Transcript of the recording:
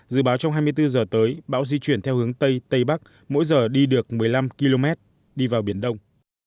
dự báo trong hai mươi bốn giờ tới bão di chuyển theo hướng tây tây bắc mỗi giờ đi được một mươi năm km đi vào biển đông